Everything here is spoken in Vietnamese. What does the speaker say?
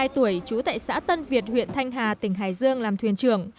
ba mươi hai tuổi trú tại xã tân việt huyện thanh hà tỉnh hải dương làm thuyền trưởng